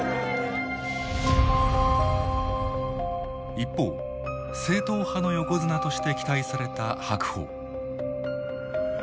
一方正統派の横綱として期待された白鵬。